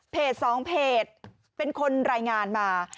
สองเพจเป็นคนรายงานมา